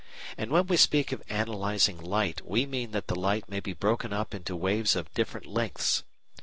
And when we speak of analysing light, we mean that the light may be broken up into waves of different lengths.